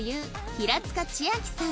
平塚千瑛さん